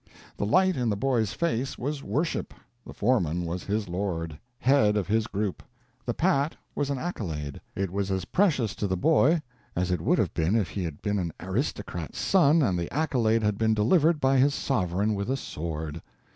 The light in the boy's face was worship, the foreman was his lord, head of his group. The pat was an accolade. It was as precious to the boy as it would have been if he had been an aristocrat's son and the accolade had been delivered by his sovereign with a sword.